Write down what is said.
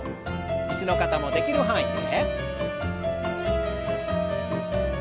椅子の方もできる範囲で。